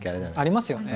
ありますよね。